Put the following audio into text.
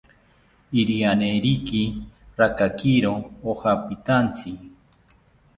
Irianeriki rakakiro ojampitaantzi